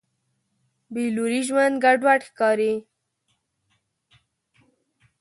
بېلوري ژوند ګډوډ ښکاري.